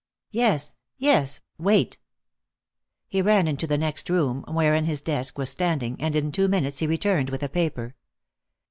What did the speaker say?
"Yes, yes. Wait!" He ran into the next room, wherein his desk was standing, and in two minutes he returned with a paper.